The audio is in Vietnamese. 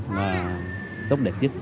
và tốt đẹp chứ